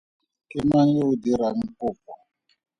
Ke mang yo o ka dirang kopo?